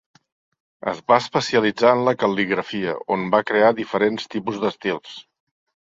Es va especialitzar en la cal·ligrafia, on va crear diferents tipus d'estils.